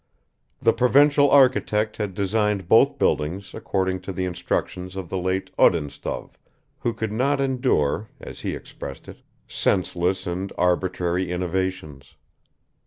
The provincial architect had designed both buildings according to the instructions of the late Odintsov, who could not endure as he expressed it senseless and arbitrary innovations.